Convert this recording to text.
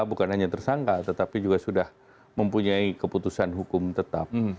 bukan hanya tersangka tetapi juga sudah mempunyai keputusan hukum tetap